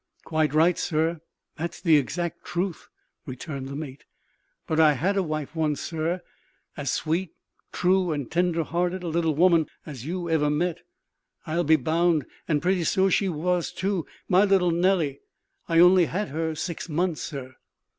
"Quite right, sir; that's the exact truth," returned the mate. "But I had a wife once, sir; as sweet, true, and tender hearted a little woman as you ever met, I'll be bound. And pretty, she was, too. My little Nellie I only had her six months, sir.